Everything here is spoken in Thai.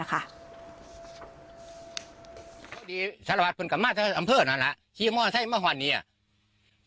ขี้รถคล้องไปเหลี่ยย